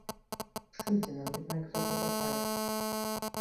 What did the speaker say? Przyjdzie nam jednak za to zapłacić